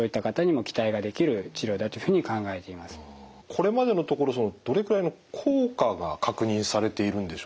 これまでのところどれくらいの効果が確認されているんでしょうか？